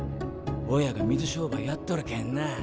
親が水商売やっとるけんなあ。